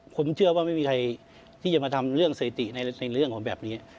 ผมเชื่อว่าไม่มีใครที่จะมาทำเรื่องสถิติในเรื่องของแบบนี้